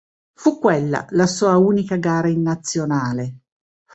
Fu quella la sua unica gara in nazionale.